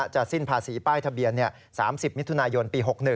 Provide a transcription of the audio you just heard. สิ้นภาษีป้ายทะเบียน๓๐มิถุนายนปี๖๑